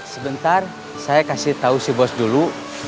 sebentar saya kasih tahu si bos dulu